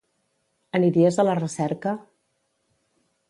Aniries a la recerca?